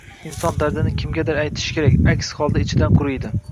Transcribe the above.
Inson dardini kimgadir aytishi kerak, aks holda ichidan quriydi